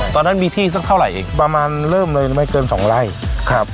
ตอนนั้นมีที่สักเท่าไหร่อีกประมาณเริ่มเลยไม่เกินสองไร่ครับ